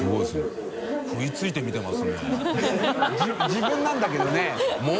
自分なんだけどね。